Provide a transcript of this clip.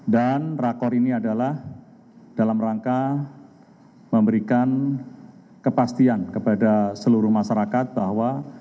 dan rakor ini adalah dalam rangka memberikan kepastian kepada seluruh masyarakat bahwa